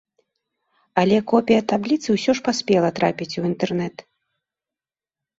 Але копія табліцы ўсё ж паспела трапіць у інтэрнэт.